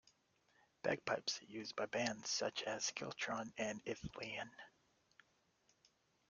Bagpipes are used by bands such as Skiltron and Ithilien.